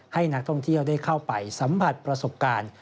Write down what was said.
ให้นักท่องเที่ยวได้เข้าไปสัมผัสประสบการณ์